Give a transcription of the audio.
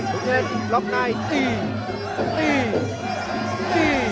ลุงเทศล็อคไนต์ตีตีตี